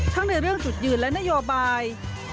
ทั้งในเรื่องจุดยืนและนโยบาย